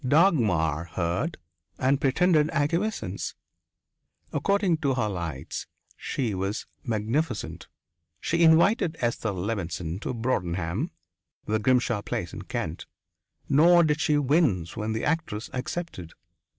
Dagmar heard and pretended acquiescence. According to her lights, she was magnificent she invited Esther Levenson to Broadenham, the Grimshaw place in Kent, nor did she wince when the actress accepted.